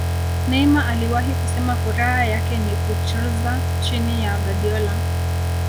Neymar aliwahi kusema furaha yake ni kuchrza chini ya Guardiola